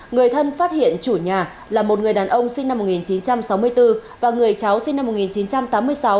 người thân phát hiện chủ nhà là một người đàn ông sinh năm một nghìn chín trăm sáu mươi bốn và người cháu sinh năm một nghìn chín trăm tám mươi sáu